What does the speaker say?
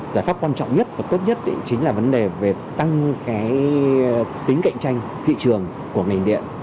giải pháp quan trọng nhất và tốt nhất chính là vấn đề về tăng tính cạnh tranh thị trường của ngành điện